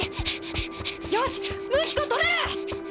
よし睦子捕れる！